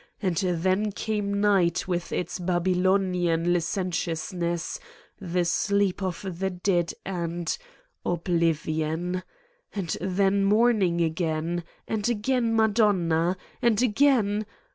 And then came night with its Babylonian licentiousness, the sleep of the dead and oblivion. And then morning again. And again Madonna. And again